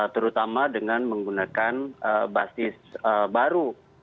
terutama dengan menggunakan basis baru